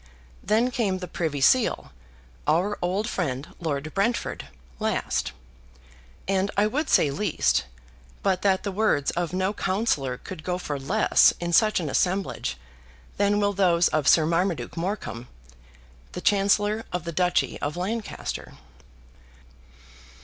Then came the Privy Seal, our old friend Lord Brentford, last, and I would say least, but that the words of no councillor could go for less in such an assemblage than will those of Sir Marmaduke Morecombe, the Chancellor of the Duchy of Lancaster.